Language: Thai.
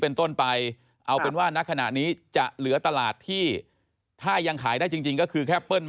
เป็นต้นไปเอาเป็นว่าณขณะนี้จะเหลือตลาดที่ถ้ายังขายได้จริงก็คือแค่เปิ้ลมา